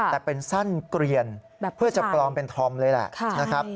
แต่เป็นสั้นเกลียนเพื่อจะปลอมเป็นธอมเลยแหละนะครับ